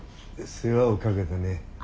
世話をかけたね。